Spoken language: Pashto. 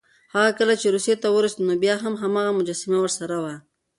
هغه کله چې روسيې ته ورسېد، نو بیا هم هماغه مجسمه ورسره وه.